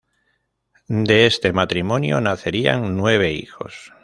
De este matrimonio nacerían nueve hijos.